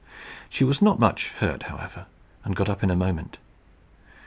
She was not much hurt however, and got up in a moment.